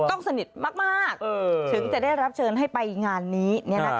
ต้องสนิทมากถึงจะได้รับเชิญให้ไปงานนี้